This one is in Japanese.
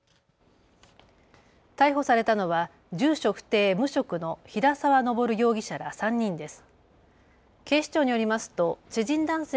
逮捕されたのは住居不定、無職の平澤昇容疑者ら３人です。